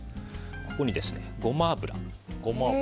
ここにゴマ油。